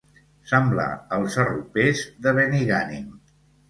Semblar els arropers de Benigànim.